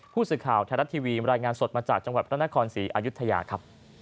ผู้สื่อข่าวไทยรัฐทีวีรายงานสดมาจากจังหวัดพระนครศรีอายุทยาครับ